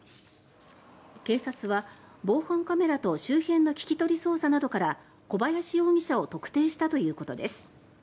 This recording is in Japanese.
警察は防犯カメラと周辺の聞き取り調査などから小林容疑者を特定したということです。